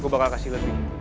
gue bakal kasih lo duit